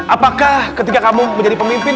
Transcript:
apakah ketika kamu menjadi pemimpin